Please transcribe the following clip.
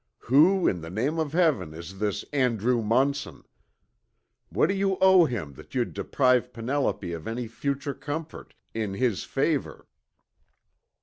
Who, in the name of Heaven, is this Andrew Munson? What do you owe him that you'd deprive Penelope of any future comfort, in his favor?"